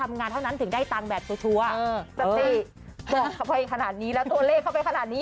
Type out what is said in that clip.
เอากันมหน้านั่งคุยกับเขาดูก็ได้นะ